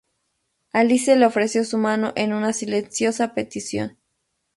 Alice le ofreció su mano en una silenciosa petición.